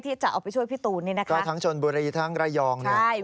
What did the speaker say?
ที่จะเอาไปช่วยพี่ตูนนี่นะคะก็ทั้งชนบุรีทั้งระยองเนี่ยใช่